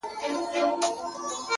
په انارګل به ښکلی بهار وي -